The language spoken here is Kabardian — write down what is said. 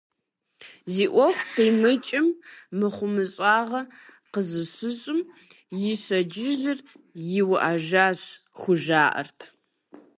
Зи Ӏуэху къимыкӀым, мыхъумыщӀагъэ къызыщыщӀым: «И щэджыжьыр иӀуэжащ», - хужаӀэрт.